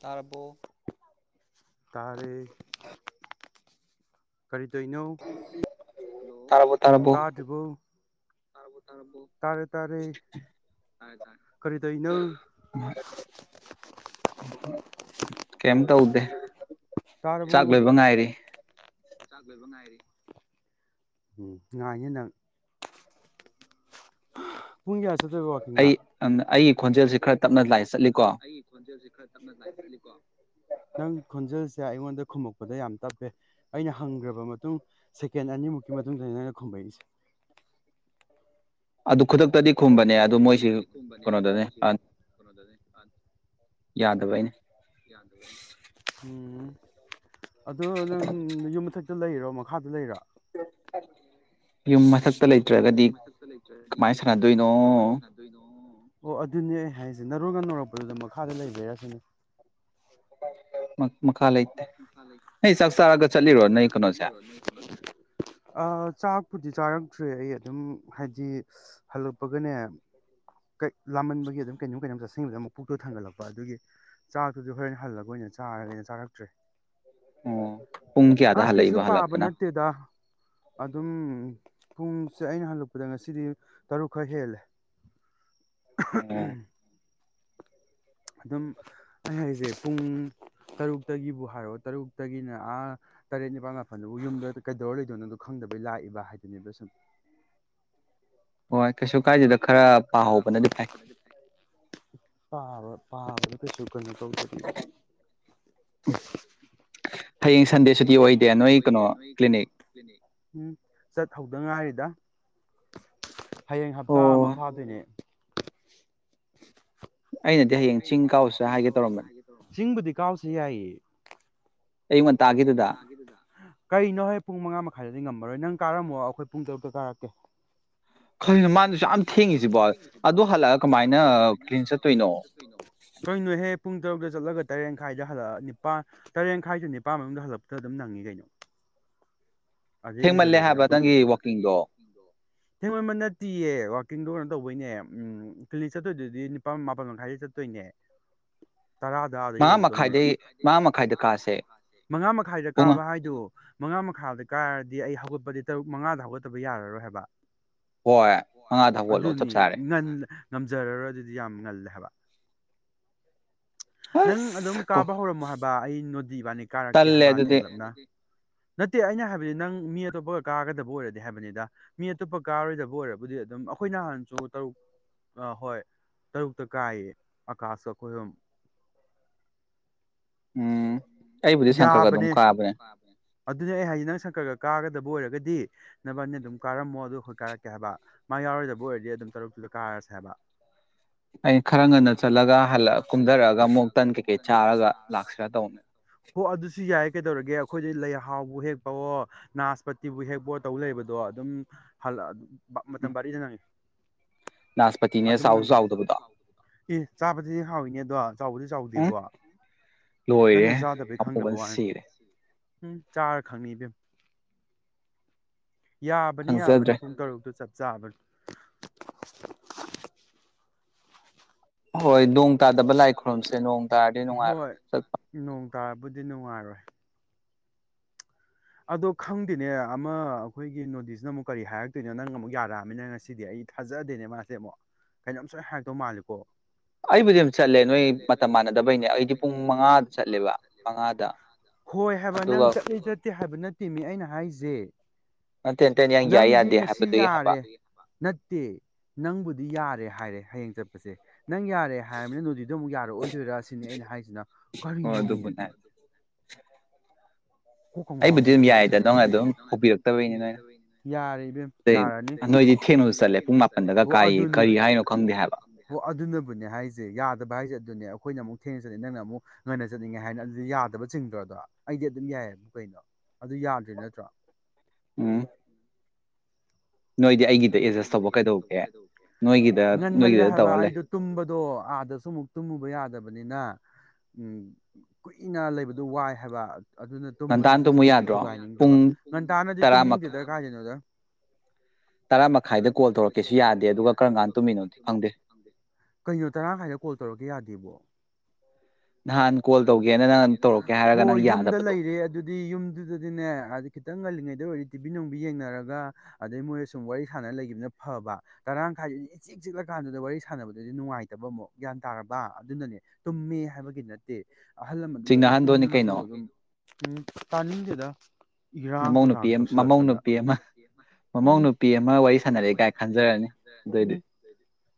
ꯇꯥꯕꯨꯣ ꯇꯥꯔꯦ ꯀꯔꯤꯗꯅꯣ ꯍꯂꯣ ꯀꯥꯗꯨꯕꯨ ꯇꯔꯦ ꯇꯔꯦ ꯀꯔꯤꯗꯅ ꯀꯝ ꯇꯧꯗꯦ ꯇꯔꯕꯨ ꯆꯥꯛ ꯂꯣꯏꯕ ꯉꯥꯏꯔꯤ ꯎꯝ ꯉꯥꯏꯅꯤ ꯅꯪ ꯄꯨꯡ ꯀꯌꯥ ꯆꯠꯠꯇꯕꯦ ꯋꯀꯤꯡꯅ ꯑꯩꯒꯤ ꯈꯣꯟꯖꯦꯜꯁꯤ ꯈꯔ ꯇꯞꯅ ꯂꯥꯏ ꯆꯠꯂꯤꯀꯣ ꯈꯣꯟꯖꯦꯜꯁ ꯈꯔ ꯆꯠꯣ ꯅꯪ ꯈꯣꯟꯖꯦꯜꯁꯦ ꯑꯩꯉꯣꯟꯗ ꯈꯨꯝꯃꯛꯄꯗ ꯌꯥꯝ ꯇꯞꯄꯦ ꯑꯩꯅ ꯍꯪꯈ꯭ꯔꯕ ꯃꯇꯨꯡ ꯁꯦꯀꯦꯟ ꯑꯅꯤꯃꯨꯛꯀꯤ ꯃꯇꯨꯡꯗ ꯑꯩꯅ ꯈꯨꯝꯃꯛꯏꯁꯦ ꯑꯥꯗꯨ ꯈꯨ ꯈꯗꯛꯇꯗꯤ ꯈꯨꯝꯕꯅꯦ ꯑꯗꯨ ꯃꯣꯏꯁꯤ ꯀꯩꯅꯣꯗꯅꯦ ꯌꯥꯗꯕꯩꯅꯤ ꯎꯝ ꯑꯣ ꯅꯪ ꯅꯪ ꯌꯨꯝ ꯃꯊꯛꯇ ꯂꯩꯔꯣ ꯃꯈꯥꯗ ꯂꯩꯔꯥ ꯌꯨꯝ ꯃꯊꯛꯇ ꯂꯩꯇ꯭ꯔꯒꯗꯤ ꯀꯃꯥꯏ ꯁꯥꯟꯅꯗꯣꯏꯅꯣ ꯑꯣ ꯑꯗꯨꯅꯦ ꯑꯩ ꯍꯥꯏꯁꯦ ꯅꯔꯣꯟꯒ ꯅꯧꯔꯛꯄꯗꯨꯗ ꯃꯈꯥꯗ ꯂꯩꯕꯩꯔꯁꯤꯅꯤ ꯃꯈꯥ ꯂꯩꯇꯦ ꯅꯣꯏ ꯆꯥꯛ ꯆꯥꯔꯒ ꯆꯠꯂꯤꯔꯣ ꯅꯣꯏ ꯀꯩꯅꯣꯁꯦ [unintelligible] ꯑꯥ ꯆꯥꯛꯄꯨꯗꯤ ꯆꯥꯔꯛꯇ꯭ꯔꯦ ꯑꯩ ꯑꯗꯨꯝ ꯍꯥꯏꯗꯤ ꯍꯜꯂꯛꯄꯒꯅꯦ ꯀꯩ ꯂꯥꯃꯟꯕꯒꯤ ꯑꯗꯨꯝ ꯀꯩꯅꯣꯝ ꯀꯩꯅꯣꯝ ꯆꯠꯁꯤꯟꯕꯗ ꯃ ꯄꯨꯨꯛꯇꯨ ꯊꯥꯡꯒꯠꯂꯛꯄ ꯑꯗꯨꯒꯤ ꯆꯥꯛꯇꯨꯗꯤ ꯍꯣꯔꯦꯟ ꯍꯜꯂꯒ ꯑꯣꯏꯅ ꯆꯥꯔꯒꯅ ꯆꯥꯔꯛꯇ꯭ꯔꯦ ꯑꯁ ꯀꯩꯁꯨ ꯄꯥꯕ ꯅꯠꯇꯦꯗ ꯑꯗꯨꯝ ꯄꯨꯡꯁꯦ ꯑꯩꯅ ꯍꯜꯂꯛꯄꯗ ꯉꯁꯤꯗꯤ ꯇꯔꯨꯛ ꯈꯔ ꯍꯦꯜꯂꯦ ꯎꯝ [unintelligible] ꯑꯗꯨꯝ ꯑꯩ ꯍꯥꯏꯁꯦ ꯄꯨꯡ ꯇꯔꯨꯛꯇꯒꯤꯕꯨ ꯍꯥꯏꯔꯣ ꯇꯔꯨꯛꯇꯒꯤꯅ ꯑꯥ ꯇꯔꯦꯠ ꯅꯤꯄꯥꯜ ꯃꯥꯄꯜꯗꯕꯨ ꯌꯨꯝꯗ ꯀꯩꯗꯧꯔ ꯂꯩꯗꯣꯏꯅꯣꯗꯣ ꯈꯪꯗꯕꯩ ꯂꯥꯛꯏꯕ ꯍꯥꯏꯗꯨꯅꯦꯕ ꯁꯨꯝ ꯍꯣꯏ ꯀꯩꯁꯨ ꯀꯥꯏꯗꯦꯗ ꯈꯔ ꯄꯥꯍꯧꯕꯅꯗꯤ ꯐꯩ ꯄꯥꯕ ꯄꯥꯕꯗꯨ ꯀꯩꯁꯨ ꯀꯩꯅꯣ ꯇꯧꯗꯦ ꯍꯌꯦꯡꯁ ꯁꯟꯗꯦ ꯁꯨꯇꯤ ꯑꯣꯏꯗꯦ ꯅꯣꯏ ꯀꯩꯅꯣ ꯀ꯭ꯂꯤꯅꯤꯛ ꯎꯝ ꯆꯠ ꯍꯧꯗ ꯉꯥꯏꯔꯤꯗ ꯍꯌꯦꯡ ꯍꯞꯇꯥ ꯑꯃ ꯐꯥꯗꯣꯏꯅꯦ ꯑꯩꯅꯗꯤ ꯍꯌꯦꯡ ꯆꯤꯡ ꯀꯥꯎꯁꯤꯔ ꯍꯥꯏꯒꯦ ꯇꯧꯔꯝꯕꯅꯦ ꯆꯤꯡꯕꯨꯗꯤ ꯀꯥꯎꯁꯤ ꯌꯥꯏꯌꯦ [unintelligible] ꯑꯌꯨꯛ ꯉꯜꯇꯒꯤꯗꯨꯗ ꯀꯩꯅꯣꯍꯦ ꯄꯨꯡ ꯃꯉꯥ ꯃꯈꯥꯏꯗꯗꯤ ꯉꯝꯃꯔꯣꯏ ꯅꯪ ꯀꯥꯔꯝꯃꯣ ꯑꯩꯈꯣꯏ ꯄꯨꯡ ꯇꯔꯨꯛꯇ ꯀꯥꯔꯛꯀꯦ ꯀꯩꯅꯣ ꯃꯥꯅ ꯑꯁꯨꯛ ꯌꯥꯝ ꯊꯦꯡꯉꯤꯖꯤꯕꯣ ꯑꯗꯨ ꯍꯜꯂꯛꯑ ꯀꯃꯥꯏꯅ ꯋꯥꯛꯀꯤꯡ ꯆꯠꯇꯣꯏꯅꯣ ꯀꯩꯅꯣꯍꯦ ꯄꯨꯡ ꯇꯔꯨꯛꯇ ꯆꯠꯂꯒ ꯇꯔꯦꯠꯈꯥꯏꯗ ꯍꯜꯂꯛꯑ ꯅꯤꯄꯥꯜ ꯇꯔꯦꯟꯈꯥꯏꯗ ꯅꯤꯄꯜ ꯃꯅꯨꯡꯗ ꯍꯜꯂꯛꯄꯇ ꯑꯗꯨꯝ ꯅꯪꯉꯤ ꯀꯩꯅꯣ [unintelligible] ꯊꯦꯃꯟꯕ ꯅꯠꯇꯤꯌꯦ ꯋꯥꯛꯀꯤꯡꯗꯣ ꯀꯩꯅꯣ ꯇꯧꯕꯩꯅꯦ ꯎꯝ ꯀ꯭ꯂꯤꯛ ꯆꯠꯇꯣꯏꯗꯨꯗꯤ ꯅꯤꯄꯥꯥꯟ ꯃꯥꯄꯜ ꯃꯈꯥꯏꯗꯩ ꯆꯠꯇꯣꯏꯅꯦ ꯇꯔꯥꯗ ꯑꯗ ꯌꯧꯔꯨꯗꯧꯅꯦ ꯃꯉꯥ ꯃꯈꯥꯏꯗ ꯀꯥꯕ ꯍꯥꯏꯗꯨ ꯃꯉꯥ ꯃꯈꯥꯗ ꯀꯥꯏꯔꯗꯤ ꯑꯩ ꯍꯧꯒꯠꯄꯗꯤ ꯇꯔꯨꯛ ꯃꯉꯥꯗ ꯍꯧꯒꯠꯇꯕ ꯌꯥꯔꯔꯣꯏ ꯍꯥꯏꯕ ꯍꯣꯢ ꯑꯗꯨꯅꯤ ꯉꯟ ꯉꯝꯖꯔꯔꯣꯢ ꯑꯗꯨꯗꯤ ꯌꯥꯝ ꯉꯜꯂꯦ ꯍꯥꯏꯕ ꯅꯪ ꯑꯗꯨꯝ ꯀꯥꯕ ꯍꯧꯔꯝꯃꯣ ꯍꯥꯏꯕ ꯑꯩ ꯅꯣꯗꯤ ꯏꯕꯥꯅꯤ ꯀꯥꯔꯛꯀꯦ ꯍꯥꯏꯕ ꯊꯦꯡꯂꯞꯅ ꯅꯠꯇꯦ ꯑꯩꯅ ꯍꯥꯏꯕꯗꯤ ꯅꯪ ꯃꯤ ꯑꯇꯣꯞꯄꯒ ꯀꯥꯒꯗꯕ ꯑꯣꯏꯔꯗꯤ ꯍꯥꯏꯕꯅꯤꯗ ꯃꯤ ꯑꯇꯣꯞꯄ ꯀꯥꯔꯣꯏꯗꯕ ꯑꯣꯏꯔꯕꯨꯗꯤ ꯑꯗꯨꯝ ꯑꯩꯈꯣꯏ ꯅꯍꯥꯟꯁꯨ ꯇꯔꯨꯛ ꯑ ꯍꯣꯏ ꯇꯔꯨꯛꯇ ꯀꯥꯏꯌꯦ ꯑꯀꯥꯁ ꯑꯩꯈꯣꯏ ꯑꯍꯨꯝ ꯌꯥꯕꯅꯦ ꯑꯗꯨꯅꯦ ꯑꯩ ꯍꯥꯏꯁꯦ ꯅꯪ ꯁꯪꯀꯔꯒ ꯀꯥꯒꯗꯕ ꯑꯣꯏꯔꯒꯗꯤ ꯅꯕꯅꯤ ꯑꯗꯨꯝ ꯀꯥꯔꯝꯃꯣ ꯑꯗꯨ ꯑꯩꯈꯣꯏ ꯀꯥꯔꯛꯀꯦ ꯍꯥꯏꯕ ꯃꯥ ꯌꯥꯎꯔꯣꯏꯗꯕ ꯑꯣꯏꯔꯗꯤ ꯑꯗꯨꯝ ꯇꯔꯨꯛꯇꯨꯗ ꯀꯥꯔꯁꯦ ꯍꯥꯏꯕ ꯑꯩ ꯈꯔ ꯉꯟꯅ ꯆꯠꯂꯒ ꯍꯂꯛ ꯀꯨꯝꯊꯔꯛꯑꯒ ꯑꯃꯨꯛ ꯇꯟ ꯀꯩꯀꯩ ꯆꯥꯔꯒ ꯂꯥꯛꯁꯤꯔꯥ ꯇꯧꯕꯅꯦ ꯍꯣ ꯑꯗꯨꯁꯨ ꯌꯥꯏ ꯀꯩꯗꯧꯔꯒꯦ ꯑꯩꯈꯣꯏꯗ ꯂꯩꯍꯥꯎꯕꯨ ꯍꯦꯛꯄꯋꯣ ꯅꯥꯖꯄꯇꯤꯕꯨ ꯍꯦꯛꯄꯑꯣ ꯇꯧ ꯂꯩꯕꯗꯣ ꯑꯗꯨꯝ ꯍꯂꯛ ꯃꯇꯝ ꯕꯔꯤꯗ ꯅꯪꯉꯤ ꯅꯥꯁꯄꯇꯤꯅꯦ ꯆꯥꯎꯁꯨ ꯆꯥꯎꯗꯕꯗꯣ ꯑꯦ ꯆꯥꯕꯗꯤ ꯍꯥꯎꯋꯤꯅꯦ ꯑꯗꯣ ꯆꯥꯎꯕꯗꯤ ꯆꯥꯎꯗꯦꯕꯣ ꯅꯪꯅ ꯆꯥꯗꯕꯩ ꯈꯪꯗꯕ ꯋꯥꯅꯤ ꯎꯝ ꯆꯥꯔ ꯈꯪꯅꯤ ꯏꯕꯦꯝꯃꯥ ꯌꯥꯕꯅꯤ ꯌꯥꯕꯅꯤ ꯄꯨꯡ ꯇꯔꯨꯛꯇꯨ ꯆꯞ ꯆꯥꯕꯅꯤ ꯍꯣꯏ ꯅꯣꯡ ꯇꯥꯗꯕ ꯂꯥꯏ ꯈꯨꯔꯨꯝꯁꯦ ꯅꯣꯡ ꯇꯥꯔꯗꯤ ꯅꯨꯡꯉꯥꯏꯔꯣꯏ ꯆꯠꯄ ꯅꯣꯡ ꯇꯥꯕꯨꯗꯤ ꯅꯨꯡꯉꯥꯏꯔꯣꯏ ꯑꯗꯣ ꯈꯪꯗꯦꯅꯦ ꯑꯃ ꯑꯩꯈꯣꯏꯒꯤ ꯅꯣꯗꯤꯁꯅ ꯑꯃꯨꯛ ꯀꯔꯤ ꯍꯥꯏꯔꯛꯇꯣꯏꯅꯣ ꯅꯪꯅ ꯑꯃꯨꯛ ꯌꯥꯔꯛꯑꯃꯤꯅ ꯉꯁꯤꯗꯤ ꯑꯩ ꯊꯥꯖꯗꯦꯅꯦ ꯃꯥꯁꯦ ꯑꯃꯨꯛ ꯀꯩꯅꯣꯝ ꯁꯣꯢ ꯍꯥꯏꯔꯛꯇꯧ ꯃꯥꯟꯂꯦꯕꯣ ꯑꯩꯕꯨꯗꯤ ꯑꯗꯨ ꯆꯠꯂꯦ ꯅꯣꯏ ꯃꯇꯝ ꯃꯥꯟꯅꯗꯕꯩꯅꯦ ꯑꯩꯗꯤ ꯄꯨꯡ ꯃꯉꯥꯗ ꯆꯠꯂꯦꯕ ꯃꯉꯥꯗ ꯍꯣꯏ ꯍꯥꯏꯕ ꯅꯪ ꯆꯠꯂꯤ ꯆꯠꯇꯦ ꯍꯥꯏꯕ ꯅꯠꯇꯤꯃꯤ ꯑꯩꯅ ꯍꯥꯏꯁꯦ ꯅꯪꯗꯤ ꯉꯁꯤ ꯌꯥꯔꯦ ꯅꯠꯇꯦ ꯅꯪꯕꯨꯗꯤ ꯌꯥꯔꯦ ꯍꯥꯏꯔꯦ ꯍꯌꯦꯡ ꯆꯠꯄꯁꯦ ꯅꯪ ꯌꯥꯔꯦ ꯍꯥꯏꯔꯕꯅꯤꯅ ꯅꯣꯗꯤꯗꯣ ꯑꯃꯨꯛ ꯌꯥꯔꯛꯑꯣꯏꯗꯣꯏꯔꯥ ꯁꯤꯅꯤ ꯑꯩꯅ ꯍꯥꯏꯔꯤꯁꯤꯅ ꯀꯔꯤꯅꯣꯃꯦ ꯀꯣꯛꯀꯥ ꯉꯥꯎꯋꯦ ꯅꯣꯏ ꯋꯥꯔꯤ ꯁꯥꯕꯁꯦ ꯌꯥꯔꯦ ꯏꯕꯦꯝꯃ ꯌꯥꯔꯅꯤ ꯑꯣ ꯑꯗꯨꯅꯤ ꯍꯣ ꯑꯗꯨꯅꯕꯨꯅꯦ ꯍꯥꯏꯁꯦ ꯌꯥꯗꯕ ꯍꯥꯏꯁꯦ ꯑꯗꯨꯅꯦ ꯑꯩꯈꯣꯏꯅ ꯑꯃꯨꯛ ꯊꯦꯡꯅ ꯆꯠꯂꯦ ꯅꯪꯅ ꯑꯃꯨꯛ ꯉꯟꯅ ꯆꯠꯅꯤꯡꯉꯦ ꯍꯥꯏꯅ ꯑꯗꯨꯗꯤ ꯌꯥꯗꯕ ꯆꯤꯡꯗ꯭ꯔꯣꯗꯣ ꯑꯩꯗꯤ ꯑꯗꯨꯝ ꯌꯥꯏꯑꯕ ꯀꯩꯅꯣ ꯑꯗꯨ ꯌꯥꯗ꯭ꯔꯤ ꯅꯠꯇ꯭ꯔꯣ ꯎꯝ ꯅꯣꯏꯗꯤ ꯑꯩꯒꯤꯗ ꯑꯦꯖꯁ ꯇꯧꯕ ꯀꯩꯗꯧꯒꯦ ꯉꯟꯃꯜꯂꯦ ꯍꯥꯏꯕ ꯑꯩꯗꯣ ꯇꯨꯝꯕꯗꯣ ꯑꯥꯗꯁꯨ ꯑꯃꯨꯛ ꯇꯨꯝꯃꯨꯕ ꯌꯥꯗꯕꯅꯤꯅ ꯎꯝ ꯀꯨꯏꯅ ꯂꯩꯕꯗꯨ ꯋꯥꯏ ꯍꯥꯏꯕ ꯑꯗꯨꯅ ꯇꯨꯝꯕꯗꯨꯁꯨ ꯈꯤꯇꯪ ꯊꯨꯒꯥꯏꯅꯤꯡꯗꯕ ꯉꯟꯇꯥꯅꯗꯤ ꯇꯨꯝꯅꯤꯡꯗꯦꯗ ꯀꯥꯏꯗꯩꯅꯣꯗ ꯇꯔꯥ ꯃꯈꯥꯏꯗ ꯀꯣꯜ ꯇꯧꯔꯛꯀꯦꯁꯨ ꯌꯥꯗꯦ ꯑꯗꯨꯒ ꯀꯔꯝ ꯀꯥꯟ ꯇꯨꯝꯃꯤꯅꯣꯗꯤ ꯈꯪꯗꯦ ꯀꯩꯅꯣ ꯇꯔꯥ ꯃꯈꯥꯏꯗ ꯀꯣꯜ ꯇꯧꯔꯛꯀꯦ ꯌꯥꯗꯦꯕꯣ ꯍꯣꯏ ꯌꯨꯝꯗ ꯂꯩꯔꯦ ꯑꯗꯨ ꯗꯤ ꯌꯨꯝꯗꯨꯗꯗꯤꯅꯦ ꯍꯥꯏꯗꯤ ꯈꯤꯇꯪ ꯉꯜꯂꯤꯉꯩꯗ ꯑꯣꯏꯗꯤ ꯇꯤꯚꯤ ꯅꯨꯡꯕꯤ ꯌꯦꯡꯅꯔꯒ ꯑꯗꯩ ꯃꯣꯏ ꯁꯨꯝ ꯋꯥꯔꯤ ꯁꯥꯟꯅ ꯂꯩꯈꯤꯕꯅ ꯐꯕ ꯇꯔꯥꯈꯥꯏꯗꯗꯤ ꯏ ꯆꯤꯛ ꯆꯤꯛꯂ ꯀꯥꯟꯗꯨꯗ ꯋꯥꯔꯤ ꯁꯥꯟꯅꯕꯗꯨꯗꯤ ꯅꯨꯡꯉꯥꯏꯇꯕ ꯑꯃꯨꯛ ꯒ꯭ꯌꯥꯟ ꯇꯥꯔꯕ ꯑꯗꯨꯅꯅꯦ ꯇꯨꯝꯃꯦ ꯍꯥꯏꯕꯒꯤ ꯅꯠꯇꯦ ꯑꯍꯜ ꯂꯃꯥꯟꯗꯣ ꯂꯣꯏ ꯇꯨꯝꯃꯁꯨ ꯑꯗꯨꯝ ꯎꯝ ꯇꯥꯅꯤꯡꯗꯦꯗ ꯏꯔꯥꯡ ꯊꯨꯔꯥꯡ ꯇꯧꯁꯤꯜꯂꯛꯇꯅ ꯍꯝ ꯅꯨꯄꯤ ꯑꯃ ꯋꯥꯔꯤ ꯁꯥꯟꯅꯔꯑꯦ ꯀꯥꯏ ꯈꯟꯖꯔꯅꯤ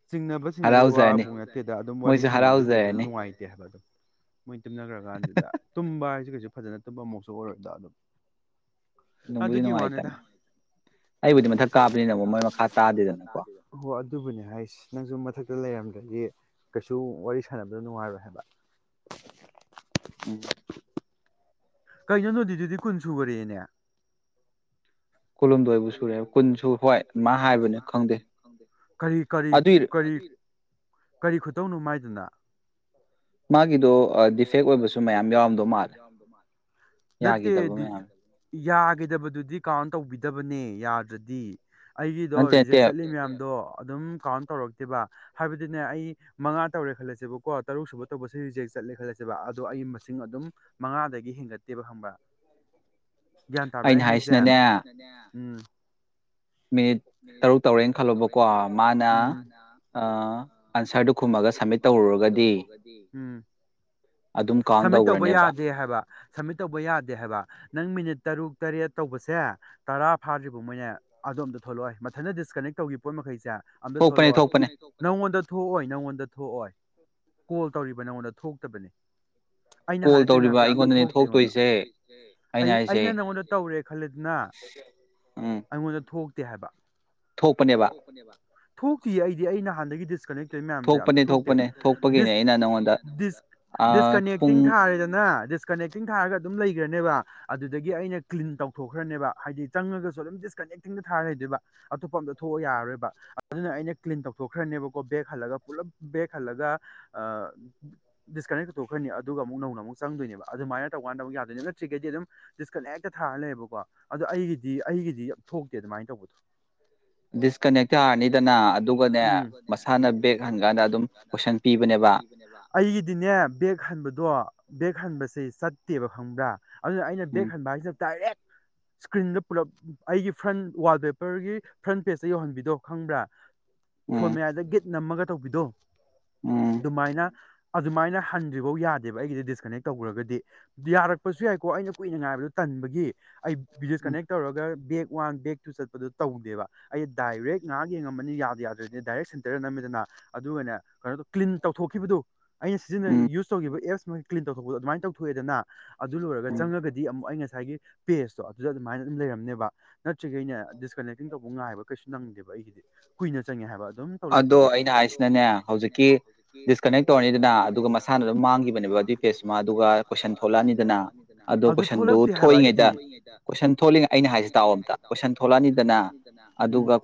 ꯆꯤꯡꯅꯕ ꯆꯤꯡꯅꯕꯗ ꯋꯥꯕꯨ ꯅꯠꯇꯦꯗ ꯑꯗꯨꯝ ꯋꯥꯔꯤ ꯁꯥꯟꯅꯕꯗꯨ ꯀꯩꯁꯨ ꯅꯨꯡꯉꯥꯏꯇꯦ ꯍꯥꯏꯕ ꯑꯗꯨꯝ ꯃꯣꯏ ꯇꯨꯝꯅꯈ꯭ꯔ ꯀꯥꯟꯗꯨꯗ ꯇꯨꯝꯕ ꯍꯥꯏꯁꯤ ꯀꯩꯁꯨ ꯐꯖꯅ ꯇꯨꯝꯕ ꯑꯃꯨꯛꯁꯨ ꯑꯣꯏꯔꯗꯣ ꯑꯗꯨꯝ ꯅꯨꯡꯕꯨꯗꯤ ꯅꯨꯡꯉꯥꯏꯇꯝꯃꯦ ꯑꯩꯕꯨꯗꯤ ꯃꯊꯛ ꯀꯥꯕꯅꯤꯅ ꯑꯃꯨꯛ ꯃꯣꯏ ꯃꯈꯥ ꯇꯥꯗꯦꯗꯅꯀꯣ ꯍꯣ ꯑꯗꯨꯕꯨꯅꯦ ꯍꯥꯏꯁ ꯅꯪꯁꯨ ꯃꯊꯛꯇ ꯂꯩꯔꯝꯗ꯭ꯔꯗꯤ ꯀꯩꯁꯨ ꯋꯥꯔꯤ ꯁꯥꯟꯅꯕꯗꯣ ꯅꯨꯡꯉꯥꯏꯔꯣꯏ ꯍꯥꯏꯕ ꯎꯝ ꯀꯩꯅꯣ ꯅꯣꯗꯤꯗꯨꯗꯤ ꯀꯨꯟ ꯁꯨꯈꯔꯦꯅꯦ ꯀꯨꯟꯍꯨꯝꯗꯣꯏ ꯕꯨ ꯁꯨꯔꯝ ꯀꯨꯟ ꯍꯣꯏ ꯑꯗꯨꯃꯥꯏ ꯍꯥꯏꯕꯅꯤ ꯀꯔꯤ ꯀꯔꯤ ꯀꯔꯤ ꯈꯨꯇꯧꯅꯣ ꯃꯥꯏꯗꯨꯅ ꯃꯥꯒꯤꯗꯣ ꯃꯥꯒꯤꯗꯣ ꯗꯤꯐꯦꯛ ꯑꯣꯏꯕꯁꯨ ꯃꯌꯥꯝ ꯌꯥꯎꯔꯝꯕ ꯃꯥꯂꯦ ꯅꯠꯇꯦ ꯗꯤ ꯌꯥꯈꯤꯗꯕꯗꯨꯗꯤ ꯀꯥꯎꯟ ꯇꯧꯕꯤꯗꯕꯅꯦ ꯌꯥꯗ꯭ꯔꯗꯤ ꯑꯩꯒꯤꯗꯣ ꯔꯤꯖꯦꯛ ꯆꯠꯂꯤ ꯃꯌꯥꯝꯗꯣ ꯑꯗꯨꯝ ꯀꯥꯎꯟ ꯇꯧꯔꯛꯇꯦꯕ ꯍꯥꯏꯕꯗꯤꯅꯦ ꯑꯩ ꯃꯉꯥ ꯇꯧꯔꯦ ꯈꯜꯂꯁꯦꯕꯀꯣ ꯇꯔꯨꯛ ꯁꯨꯕ ꯇꯧꯕꯁꯦ ꯔꯤꯖꯦꯛꯁ ꯆꯠꯂꯦ ꯈꯜꯂꯁꯕ ꯑꯗꯣ ꯑꯩ ꯃꯁꯤꯡ ꯑꯗꯨꯝ ꯃꯉꯥꯗꯒꯤ ꯍꯦꯟꯒꯠꯇꯦꯕ ꯈꯪꯕ꯭ꯔ ꯒ꯭ꯌꯥꯟ ꯇꯥꯕ꯭ꯔꯥ ꯑꯩ ꯍꯥꯏꯁꯦ ꯑꯩꯅ ꯍꯥꯏꯁꯤꯅꯅꯦ ꯎꯝ ꯃꯤꯅꯤꯠ ꯇꯔꯨꯛ ꯇꯧꯔꯦꯅ ꯈꯜꯂꯣꯕꯀꯣ ꯃꯥꯅ ꯑꯥ ꯑꯟꯁꯔꯗꯨ ꯈꯨꯝꯃꯒ ꯁꯝꯃꯤꯠ ꯇꯧꯔꯨꯔꯒ ꯎꯝ ꯁꯃꯤꯠ ꯇꯧꯕ ꯌꯥꯗꯦ ꯍꯥꯏꯕ ꯁꯝꯃꯤꯠ ꯇꯧꯕ ꯌꯥꯗꯦ ꯍꯥꯏꯕ ꯅꯪ ꯃꯤꯅꯤꯠ ꯇꯔꯨꯛ ꯇꯔꯦꯠ ꯇꯧꯕꯁꯦ ꯇꯔꯥ ꯐꯥ꯭ꯔꯤꯕꯧ ꯃꯣꯏꯅꯦ ꯑꯗꯣꯝꯗ ꯊꯣꯛꯂꯛꯑꯣꯏ ꯃꯊꯪꯗ ꯗꯤꯁꯀꯅꯦꯛ ꯇꯧꯈꯤꯕ ꯄꯣꯠ ꯃꯈꯩꯁꯦ ꯑꯝꯇ ꯊꯣꯛꯂꯛꯑꯣꯏ ꯊꯣꯛꯄꯅꯦ ꯊꯣꯛꯄꯅꯦ ꯅꯪꯉꯣꯟꯗ ꯊꯣꯛꯑꯣꯏ ꯅꯪꯉꯣꯟꯗ ꯊꯣꯛꯑꯣꯏ ꯀꯣꯜ ꯇꯧꯔꯤꯕ ꯅꯪꯉꯣꯟꯗ ꯊꯣꯛꯇꯕꯅꯦ꯫ ꯑꯩꯅ ꯍꯥꯟꯗꯩ ꯇꯧ ꯃꯌꯥꯝꯁꯦ ꯑꯝꯇ ꯊꯣꯛꯇꯦ ꯑꯩꯉꯣꯟꯗ ꯑꯩ ꯑꯩꯅ ꯅꯪꯉꯣꯟꯗ ꯇꯧꯔꯦ ꯈꯜꯂꯦꯗꯅ ꯑꯩꯉꯣꯟꯗ ꯊꯣꯛ ꯇꯦ ꯍꯥꯏꯕ ꯊꯣꯛꯄꯅꯕ ꯊꯣꯛꯇꯤꯌꯦ ꯑꯩꯗꯤ ꯑꯩ ꯅꯍꯥꯟꯗꯒꯤ ꯗꯤꯁꯀꯅꯦꯛ [unintelligible] ꯅ ꯗꯤꯁꯀꯅꯛꯇꯤꯡ ꯊꯥꯔꯒ ꯑꯗꯨꯝ ꯂꯩꯈ꯭ꯔꯅꯦꯕ ꯑꯗꯨꯗꯒꯤ ꯑꯩꯅ ꯀ꯭ꯂꯤꯟ ꯇꯧꯊꯣꯛꯈ꯭ꯔꯅꯦꯕ ꯍꯥꯏꯗꯤ ꯆꯪꯉꯒꯁꯨ ꯑꯗꯨꯝ ꯗꯤꯁꯀꯅꯦꯛꯇꯤꯡꯗ ꯊꯥꯔꯦ ꯑꯗꯨꯕ ꯑꯇꯣꯞꯄ ꯑꯝꯇ ꯊꯣꯛꯑ ꯌꯥꯔꯔꯣꯏꯕ ꯑꯗꯨꯅ ꯑꯩꯅ ꯀ꯭ꯂꯤꯟ ꯇꯧꯊꯣꯛꯈ꯭ꯔꯅꯦꯕꯀꯣ ꯕꯦꯒ ꯍꯜꯂꯒ ꯄꯨꯂꯞ ꯕꯦꯦꯛ ꯍꯜꯂꯒ ꯗꯤꯁꯀꯅꯦꯛ ꯇꯧꯊꯣꯛꯈ꯭ꯔꯅꯤ ꯑꯗꯨꯒ ꯑꯃꯨꯛ ꯅꯧꯅ ꯑꯃꯨꯛ ꯆꯪꯗꯣꯏꯅꯦꯕ ꯑꯗꯨꯃꯥꯏꯅ ꯇꯧꯀꯥꯟꯗ ꯑꯃꯨꯛ ꯌꯥꯗꯣꯏꯅꯦ ꯅꯠꯇ꯭ꯈꯩꯗꯤ ꯑꯗꯨꯝ ꯗꯤꯁꯀꯅ ꯍꯦꯛꯇ ꯊꯥꯔ ꯂꯩꯌꯦꯕꯀꯣ ꯑꯗꯣ ꯑꯩꯒꯤꯗꯤ ꯑꯩꯒꯤꯗꯤ ꯊꯣꯛꯇꯦ ꯑꯗꯨꯃꯥꯏꯅ ꯇꯧꯕꯗꯣ ꯗꯤꯁꯀꯅꯦꯛ ꯇꯥꯔꯅꯤꯗꯅ ꯑꯗꯨꯒꯅꯦ ꯃꯁꯥꯅ ꯕꯦꯛ ꯍꯟꯀꯥꯟꯗ ꯑꯗꯨꯝ ꯀꯣꯏꯁꯟ ꯑꯩꯒꯤꯗꯤꯅꯦ ꯕꯦꯛ ꯍꯟꯕꯗꯣ ꯕꯦꯛ ꯍꯟꯕꯁꯦ ꯆꯠꯇꯦꯕ ꯈꯪꯕ꯭ꯔꯥ ꯑꯗꯨꯅ ꯑꯩꯅ ꯕꯦꯛ ꯍꯟꯕ ꯍꯥꯏꯁꯤꯅ ꯗꯥꯏꯔꯦꯛ ꯏꯁꯀ꯭ꯔꯤꯟꯗ ꯄꯨꯂꯞ ꯑꯩꯒꯤ ꯐ꯭ꯔꯟ ꯋꯥꯜꯄꯦꯄꯔꯒꯤ ꯐ꯭ꯔꯟ ꯄꯦꯖꯇ ꯌꯧꯍꯟꯕꯤꯗꯣ ꯈꯪꯕ꯭ꯔꯥ ꯐꯣꯔꯃꯦꯌꯥꯗ ꯒꯤꯠ ꯅꯝꯃꯒ ꯇꯧꯕꯤꯗꯣ ꯑꯗꯨꯃꯥꯏꯅ ꯑꯗꯨꯃꯥꯏꯅ ꯍꯟꯗ꯭ꯔꯤꯐꯧ ꯌꯥꯗꯦꯕ ꯑꯩꯒꯤꯗꯤ ꯗꯤꯁꯀꯅꯦꯛ ꯇꯧꯈ꯭ꯔꯒꯗꯤ ꯌꯥꯔꯛꯄꯁꯨ ꯌꯥꯏꯀꯣ ꯑꯩꯅ ꯀꯨꯏꯅ ꯉꯥꯏꯕꯗꯣ ꯇꯟꯕꯒꯤ ꯑꯩ ꯗꯤꯁꯀꯅꯦꯛ ꯇꯧꯔꯒ ꯕꯦꯛ ꯋꯥꯟ ꯕꯦꯒꯛꯇꯨ ꯆꯠꯄꯗꯨ ꯇꯧꯗꯦꯕ ꯑꯩ ꯗꯥꯏꯔꯦꯛ ꯉꯥꯏꯍꯥꯛ ꯌꯦꯡꯉꯝꯃꯅꯤ ꯌꯥꯗ ꯌꯥꯗ꯭ꯔꯅꯤ ꯗꯥꯏꯔꯦꯛ ꯁꯦꯟꯇꯔꯗ ꯅꯝꯃꯤꯗꯅ ꯑꯗꯨꯒꯅꯦ ꯀꯩꯅꯣꯗ ꯀ꯭ꯂꯤꯟ ꯇꯧꯊꯣꯛꯈꯤꯕꯗꯨ ꯑꯩꯅ ꯁꯤꯖꯤꯟꯅ ꯌꯨꯁ ꯇꯧꯈꯤꯕ ꯑꯦꯞꯁ ꯀ꯭ꯂꯤꯟ ꯇꯧꯊꯣꯛꯄꯗꯣ ꯑꯗꯨꯃꯥꯏꯅ ꯇꯧꯊꯣꯛꯑꯦꯗꯅ ꯑꯗꯨ ꯂꯣꯏꯔꯒ ꯆꯪꯉꯒꯗꯤ ꯑꯃꯨꯛ ꯑꯩ ꯉꯁꯥꯏꯒꯤ ꯄꯦꯖꯇꯣ ꯑꯗꯨꯗ ꯑꯗꯨꯃꯥꯏꯅ ꯑꯗꯨꯝ ꯂꯩꯔꯝꯅꯦꯕ ꯅꯠꯇ꯭ꯔꯒꯤ ꯑꯩꯅ ꯗꯤꯁꯀꯅꯦꯛꯇꯤꯡ ꯇꯧꯕ ꯉꯥꯏꯕ ꯀꯩꯁꯨ ꯅꯪꯗꯦꯕ ꯑꯩꯒꯤꯗꯤ ꯀꯨꯏꯅ ꯆꯪꯉꯦ ꯍꯥꯏꯕ ꯑꯗꯨꯝ ꯇꯧ ꯂꯩꯕꯒꯤꯅꯅꯦ ꯗꯤꯁꯀꯅꯦꯛ ꯇꯧꯔꯅꯤꯗꯅ ꯑꯗꯨꯒ ꯃꯁꯥꯅ ꯑꯗꯨꯝ ꯃꯥꯡꯈꯤꯕꯅꯦꯕ ꯑꯗꯨꯏ ꯄꯦꯖꯨꯃ ꯑꯗꯨꯒ ꯀꯣꯏꯁꯟ ꯊꯣꯛꯂꯛꯑꯅꯤꯗꯅ ꯑꯗꯣ ꯀꯣꯏꯁꯟꯗꯨ ꯊꯣꯛꯏꯉꯩꯗ ꯀꯣꯏꯁꯟ ꯊꯣꯛꯂꯤꯉꯩ ꯑꯩꯅ ꯍꯥꯏꯁꯤ ꯑꯩꯅ ꯍꯥꯏꯁꯦ ꯇꯥꯎꯑꯣ ꯑꯝꯗ ꯀꯣꯏꯁꯟ ꯊꯣꯛꯂꯛꯑꯅꯤꯗꯅ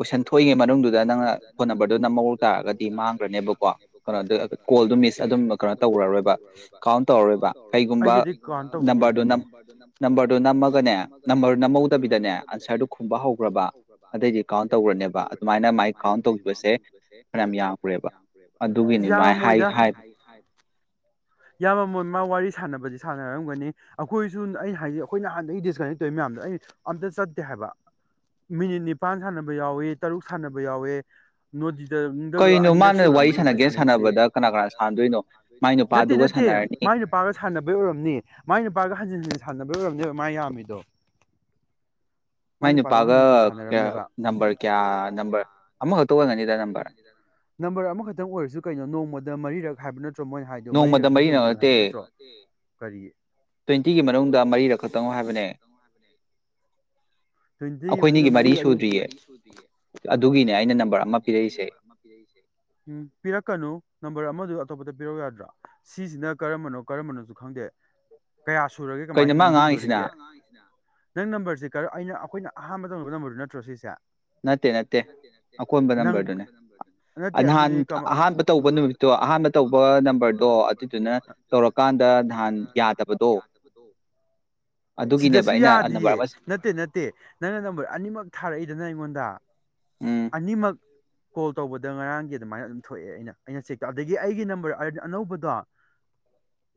ꯑꯗꯨꯒ ꯀꯣꯏꯁꯟ ꯊꯣꯛꯏꯉꯩ ꯃꯅꯨꯡꯗꯨꯗ ꯅꯪꯅ ꯐꯣꯟ ꯅꯝꯕꯔꯗꯨꯅ ꯃꯑꯣꯧ ꯇꯥꯔꯒꯗꯤ ꯃꯥꯡꯈ꯭ꯔꯅꯦꯕ ꯅꯣ ꯇꯧꯔꯣꯏ ꯇꯧꯏ ꯅꯝꯕꯔꯗꯨꯣ ꯅꯝꯃꯒꯅꯦ ꯅꯝꯕꯔꯗꯨ ꯅꯝꯍꯧꯗꯕꯤꯗꯅꯦ ꯍꯧꯈ꯭ꯔꯕ ꯑꯗꯩꯗꯤ ꯀꯥꯎꯟ ꯇꯧꯈ꯭ꯔꯅꯦꯕ ꯑꯗꯨꯃꯥꯏꯅ ꯃꯥꯏ ꯀꯥꯎꯟ ꯇꯧꯈꯤꯕꯁꯦ ꯐꯅꯌꯥꯝ ꯌꯥꯝꯈ꯭ꯔꯦꯕ ꯑꯗꯨꯒꯤꯅꯤ ꯃꯥꯏ ꯍꯥꯏ ꯍꯥꯏꯕ ꯍꯥꯏ ꯌꯥꯝꯃꯝꯃꯣꯏ ꯃꯥ ꯋꯥꯔꯤ ꯁꯥꯟꯅꯕꯁꯤ ꯁꯥꯟꯅꯔꯝꯒꯅꯤ ꯑꯩꯈꯣꯏꯁꯨ ꯑꯩꯩꯅ ꯍꯥꯏꯁ ꯑꯩꯈꯣꯏꯅ ꯍꯥꯟꯗꯒꯤ ꯗꯤꯁꯀꯅꯦꯛ ꯇꯧꯋ ꯃꯌꯥꯝꯗꯣ ꯑꯩꯅ ꯑꯝꯇ ꯆꯠꯇꯦ ꯍꯥꯏꯕ ꯃꯤꯅꯤꯠ ꯅꯤꯄꯥꯥꯟ ꯁꯥꯟꯅꯕ ꯌꯥꯎꯋꯦ ꯇꯔꯨꯛ ꯁꯥꯟꯅꯕ ꯌꯥꯎꯋꯦ ꯅꯣꯠꯇꯗ ꯅꯨꯡꯗ ꯑꯅꯤꯔꯛ ꯁꯨꯔꯝꯕꯅꯤ ꯑꯗꯨꯃꯥꯏ ꯁꯥꯟꯅꯩꯁꯦ ꯁꯥꯟꯗ ꯀꯅꯥ ꯀꯅꯥ ꯅꯇꯥ ꯅꯏꯥ ꯃꯥ ꯅꯨꯄꯥꯒ ꯁꯥꯟꯅꯕꯩ ꯑꯣꯏꯔꯝꯅꯤ ꯃꯥꯏ ꯅꯨꯄꯥꯒ ꯍꯟꯖꯤꯟ ꯍꯟꯖꯤꯟ ꯁꯥꯟꯅꯕꯩ ꯑꯣꯏꯔꯝꯅꯦꯕ ꯃꯥ ꯌꯥꯝꯃꯤꯗꯣ ꯃꯥꯏ ꯅꯨꯄꯥꯗꯨ ꯍꯟꯖꯤꯟ ꯍꯟꯖꯤꯟ ꯁꯥꯟꯅꯔꯝꯅꯦꯕ ꯅꯝꯕꯔ ꯑꯃꯈꯛꯇꯪ ꯑꯣꯏꯔꯁꯨ ꯀꯩꯅꯣ ꯅꯣꯡꯃꯗ ꯃꯔꯤꯔꯛ ꯍꯥꯏꯕ ꯅ ꯅꯠꯇ꯭ꯔꯣ ꯃꯣꯏꯅ ꯍꯥꯏꯗꯣ ꯃꯔꯤꯔꯛꯇꯤ ꯍꯦꯟꯒꯅꯨ ꯍꯥꯏꯕ ꯅꯠꯇ꯭ꯔꯣ ꯀꯔꯤ ꯇ꯭ꯋꯦꯟꯇꯤꯒꯤ ꯃꯅꯨꯡꯗ ꯃꯔꯤꯔꯛ ꯈꯛꯇꯪꯅꯣ ꯍꯥꯏꯕꯅꯦ ꯁꯟꯇꯤꯒꯤ ꯃꯅꯨꯡꯗ ꯑꯗꯨꯒꯤꯅꯦ ꯑꯩꯅ ꯅꯝꯕꯔ ꯑꯃ ꯄꯤꯔꯛꯏꯁꯦ ꯁꯦ ꯎꯝ ꯄꯤꯔꯛꯀꯅꯨ ꯅꯝꯕꯔ ꯑꯃꯗ ꯑꯇꯣꯞꯄꯗ ꯄꯤꯔꯛꯎ ꯌꯥꯗ꯭ꯔꯥ ꯁꯤꯁꯤꯅ ꯀꯔꯝꯕꯅꯣ ꯀꯔꯝꯕꯅꯣꯁꯨ ꯈꯪꯗꯦ ꯀꯌꯥ ꯁꯨꯔꯒꯦ ꯀꯃꯥꯏꯅ ꯅꯤꯡꯁꯤꯡꯗꯣꯔꯤꯒꯦ ꯅꯪ ꯅꯝꯕꯔꯁꯦ ꯑꯩꯅ ꯑꯩꯈꯣꯏꯅ ꯑꯍꯥꯟꯕꯗꯧꯅꯕ ꯇꯝꯕꯗꯨ ꯅꯠꯇ꯭ꯔꯣ ꯁꯤꯁꯦ ꯅꯠꯇꯦ ꯑꯗꯨꯗꯤ ꯀꯃ ꯇꯧꯕ ꯅꯨꯃꯤꯠꯇꯣ ꯑꯍꯥꯟꯕ ꯇꯧꯕ ꯅꯝꯕꯔꯗꯣ ꯑꯗꯨꯗꯨꯅ ꯇꯧꯔꯀꯥꯟꯗ ꯅꯍꯥꯟ ꯌꯥꯗꯕꯗꯣ ꯁꯤꯗꯁꯨ ꯌꯥꯗꯌꯦ ꯅꯠꯇꯦ ꯅꯠꯇꯦ ꯅꯪꯅ ꯅꯝꯕꯔ ꯑꯅꯤꯃꯛ ꯊꯥꯔꯛꯏꯗꯅ ꯑꯩꯉꯣꯟꯗ ꯑꯅꯤꯃꯛ ꯀꯣꯜ ꯇꯧꯕꯗ ꯉꯔꯥꯡꯒꯤ ꯑꯗꯨꯃꯥꯏꯅ ꯑꯗꯨꯝ ꯊꯣꯛꯑꯦ ꯑꯩꯅ ꯑꯩꯅ ꯆꯦꯛ ꯇꯧ ꯑꯗꯒꯤ ꯑꯩꯒꯤ ꯅꯝꯕꯔꯗꯤ ꯑꯅꯧꯕꯗꯣ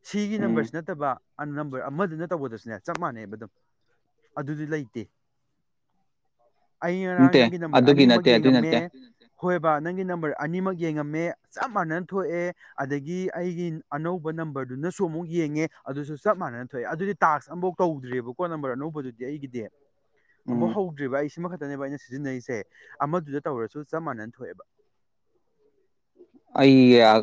ꯁꯤꯒꯤ ꯅꯝꯕꯔꯁꯤ ꯅꯠꯇꯕ ꯑ ꯅꯝꯕꯔ ꯑꯃꯗꯨꯅ ꯇꯧꯕꯗꯁꯨꯅꯦ ꯆꯞ ꯃꯥꯟꯅꯩꯕ ꯑꯗꯨꯝ ꯑꯗꯨꯗꯤ ꯂꯩꯇꯦ ꯑꯩ ꯉꯔꯥꯡ ꯅꯪꯒꯤ ꯅꯝꯕꯔ ꯑꯅꯤꯃꯛ ꯌꯦꯡꯉꯝꯃꯦ ꯍꯣꯏ ꯕꯥ ꯅꯪꯒꯤ ꯅꯝꯕꯔ ꯑꯅꯤꯃꯛ ꯌꯦꯡꯉꯝꯃꯦ ꯆꯞ ꯃꯥꯟꯅꯅ ꯊꯣꯛꯑꯦ ꯑꯗꯒꯤ ꯑꯩꯒꯤ ꯑꯅꯧꯕ ꯅꯝꯕꯔꯗꯨꯅꯁꯨ ꯑꯃꯨꯛ ꯌꯦꯡꯉꯦ ꯑꯗꯨꯁꯨ ꯆꯞ ꯃꯥꯟꯅꯅ ꯊꯣꯛꯑꯦ ꯑꯗꯨꯗꯤ ꯇꯥꯛꯁ ꯑꯃꯐꯥꯎ ꯇꯧꯗ꯭ꯔꯤꯕ ꯐꯣꯟ ꯅꯝꯕꯔ ꯑꯅꯧꯕꯗꯨꯗꯤ ꯑꯩꯒꯤꯗꯤ ꯑꯝꯕꯧ ꯍꯧꯗ꯭ꯔꯤꯕ ꯑꯩ ꯁꯤꯃ ꯈꯛꯇꯅꯦꯕ ꯑꯩꯅ ꯁꯤꯖꯤꯟꯅꯔꯤꯁꯦ ꯑꯃꯗꯨꯗ ꯇꯧꯔꯁꯨ ꯆꯞ ꯃꯥꯟꯅꯅ ꯊꯣꯛꯑꯦꯕ ꯎ [unintelligible] ꯑꯩ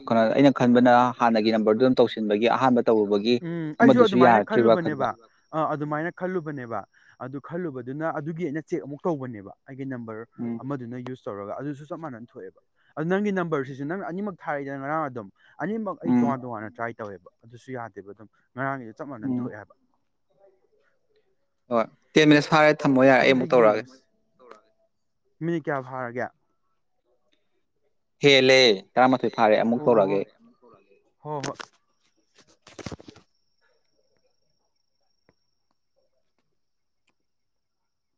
ꯀꯩꯅꯣ ꯑꯩꯅ ꯈꯟꯕꯅ ꯍꯥꯟꯅꯒꯤ ꯅꯝꯕꯔꯗꯨ ꯑꯗꯨꯝ ꯇꯧꯁꯤꯟꯕꯒꯤ ꯑꯍꯥꯟꯕ ꯇꯧꯔꯨꯕꯒꯤ ꯑꯩꯁꯨ ꯑꯗꯨꯃꯥꯏꯅ ꯈꯜꯂꯨꯕꯅꯦꯕ ꯑ ꯑꯗꯨꯃꯥꯏꯅ ꯈꯜꯂꯨꯕꯅꯦꯕ ꯑꯗꯨ ꯈꯜꯂꯨꯕꯗꯨꯅ ꯑꯗꯨꯒꯤ ꯑꯩꯅ ꯆꯦꯛ ꯑꯃꯨꯛ ꯇꯧꯕꯅꯦꯕ ꯑꯩꯒꯤ ꯅꯝꯕꯔ ꯎꯝ ꯑꯃꯗꯨꯅ ꯌꯨꯁ ꯇꯧꯔꯒ ꯑꯗꯨꯁꯨ ꯆꯞ ꯃꯥꯟꯅꯅ ꯊꯣꯛꯑꯦꯕ ꯑꯗꯨ ꯅꯪꯒꯤ ꯅꯝꯕꯔꯁꯤꯁꯨ ꯅꯪꯅ ꯑꯅꯤꯃꯛ ꯊꯥꯔꯛꯏꯗꯅ ꯉꯔꯥꯡ ꯑꯗꯨꯝ ꯑꯅꯤꯃꯛ ꯑꯩ ꯇꯣꯉꯥꯟ ꯇꯣꯉꯥꯟꯅ ꯇ꯭ꯔꯥꯏ ꯇꯧꯋꯦꯕ ꯑꯗꯨꯁꯨ ꯌꯥꯗꯦꯕ ꯑꯗꯨꯝ ꯉꯔꯥꯡꯒꯤꯗꯨ ꯆꯞ ꯃꯥꯟꯅꯅ ꯊꯣꯛꯑꯦ ꯍꯥꯏꯕ ꯍꯣꯏ ꯇꯦꯟ ꯃꯤꯅꯠꯁ ꯐꯥꯔꯦ ꯈꯪꯗꯦ ꯌꯦꯡꯉꯁꯤ ꯃꯤꯅꯤꯠ ꯀꯌꯥ ꯐꯥꯔꯒꯦ ꯍꯦꯜꯂꯦ ꯑꯣ ꯍꯣꯏ ꯍꯣꯏ